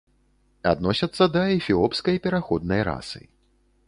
Адносяцца да эфіопскай пераходнай расы.